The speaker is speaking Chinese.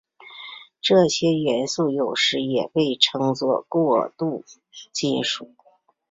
这些元素有时也被称作过渡金属。